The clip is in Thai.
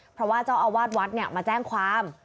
เพราะว่าเจ้าอาวาสวัดมาแจ้งความ